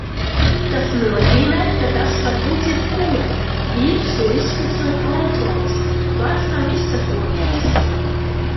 Tas nozīmē, ka tas var būt jebkur. Vīruss izsprucis no kontroles, vairs nav izsekojams.